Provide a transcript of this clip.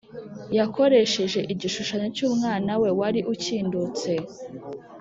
yakoresheje igishushanyo cy’umwana we wari ukindutse;